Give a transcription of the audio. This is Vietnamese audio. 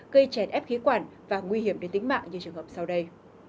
gây chèn ép khí quản và nguy hiểm đến tính mạng như trường hợp sau đây